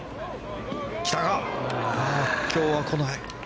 今日は来ない。